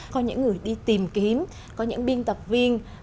có những người đi tìm kiếm có những biên tập viên